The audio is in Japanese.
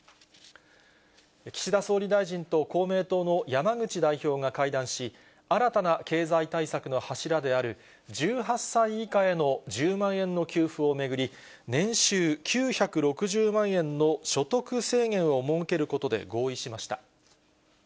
岸田総理大臣と公明党の山口代表が会談し、新たな経済対策の柱である、１８歳以下への１０万円の給付を巡り、年収９６０万円の所得制限を設けることで合意しました。